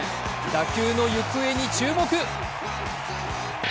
打球の行方に注目。